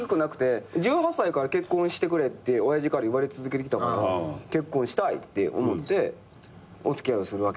１８歳から「結婚してくれ」って親父から言われ続けてきたから結婚したいって思ってお付き合いをするわけよ人と。